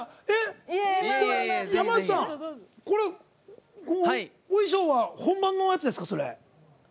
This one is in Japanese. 山内さん、お衣装は本番のやつですか？